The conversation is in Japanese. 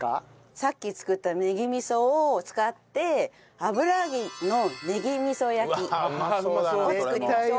さっき作ったねぎ味噌を使って油揚げのねぎ味噌焼きを作りましょう。